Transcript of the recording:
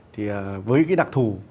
thì với cái đặc thù